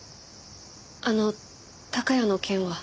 あの孝也の件は？